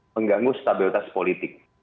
mengganggu stabilitas politik